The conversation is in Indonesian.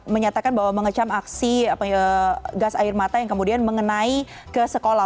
menyatakan bahwa mengecam aksi gas air mata yang kemudian mengenai ke sekolah